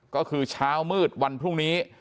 ก็คือเช้ามืดวันพรุ่งนี้